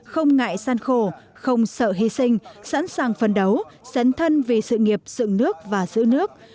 không ngại săn khổ không sợ hy sinh sẵn sàng phân đấu sẵn thân vì sự nghiệp dựng nước và giữ nước